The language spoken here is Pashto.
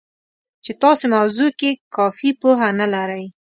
چې تاسې موضوع کې کافي پوهه نه لرئ